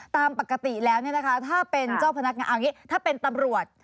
ตามปกติแล้วถ้าเป็นเจ้าพนักงานถ้าเป็นตำรวจ